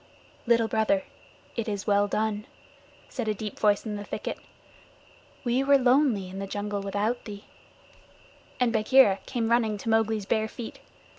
"Little Brother, it is well done," said a deep voice in the thicket. "We were lonely in the jungle without thee," and Bagheera came running to Mowgli's bare feet.